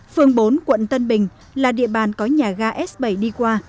phường bốn quận tân bình là địa bàn có nhà ga s bảy đi qua